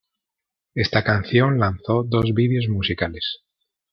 Esta canción lanzó dos vídeos musicales.